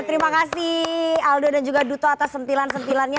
terima kasih aldo dan juga duto atas sentilan sentilannya